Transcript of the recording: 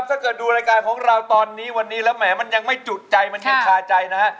ถ้าเกิดดูรายการของเราตอนนี้วันนี้แล้วแหมมันยังไม่จุดใจมันยังคาใจนะฮะ